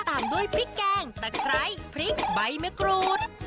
ตามด้วยพริกแกงตะไคร้พริกใบมะกรูด